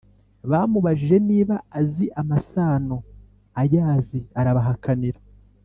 bamubajije niba azi amasano ayazi arabahakanira